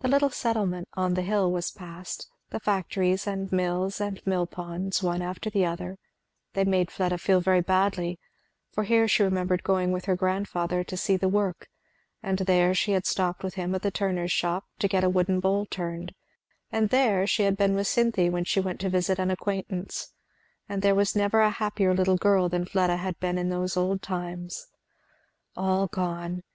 The little settlement on "the hill" was passed, the factories and mills and mill ponds, one after the other; they made Fleda feel very badly, for here she remembered going with her grandfather to see the work, and there she had stopped with him at the turner's shop to get a wooden bowl turned, and there she had been with Cynthy when she went to visit an acquaintance; and there never was a happier little girl than Fleda had been in those old times. All gone!